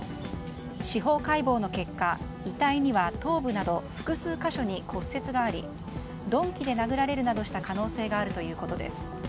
司法解剖の結果遺体には頭部など複数箇所に骨折があり鈍器で殴られるなどした可能性があるということです。